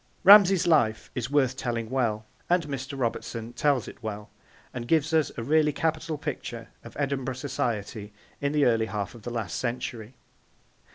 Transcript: Ramsay's life is worth telling well, and Mr. Robertson tells it well, and gives us a really capital picture of Edinburgh society in the early half of the last century.